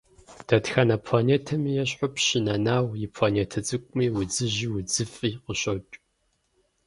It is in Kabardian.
Дэтхэнэ планетэми ещхьу, Пщы Нэнау и планетэ цӀыкӀуми удзыжьи удзыфӀи къыщокӀ.